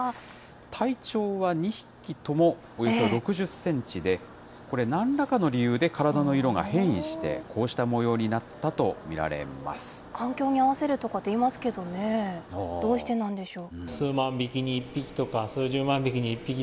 体長は２匹ともおよそ６０センチで、これ、なんらかの理由で体の色が変異して、こうした模様にな環境に合わせるとかっていいますけどね、どうしてなんでしょう。